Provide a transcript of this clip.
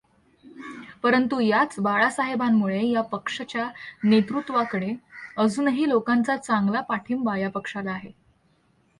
परंतु याच बाळासाहेबांमुळे या पक्षच्या नेतृत्वाकडे अजूनही लोकांचा चांगला पाठिंबा या पक्षाला आहे.